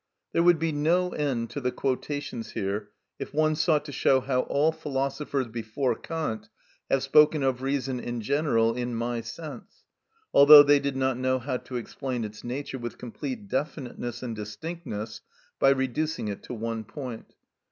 There would be no end to the quotations here if one sought to show how all philosophers before Kant have spoken of reason in general in my sense, although they did not know how to explain its nature with complete definiteness and distinctness by reducing it to one point.